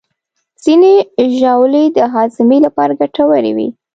ځینې ژاولې د هاضمې لپاره ګټورې وي.